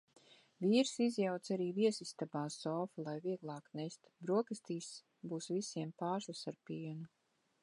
Vīrs izjauca arī viesistabā sofu, lai vieglāk nest. Brokastīs būs visiem pārslas ar pienu.